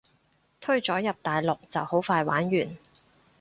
推咗入大陸就好快玩完